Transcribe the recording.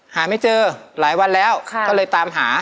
หาไม่เจอหลายวันแล้วก็เลยตามหา